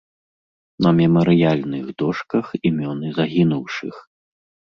На мемарыяльных дошках імёны загінуўшых.